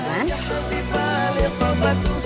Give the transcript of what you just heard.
jangan dipalit bapakku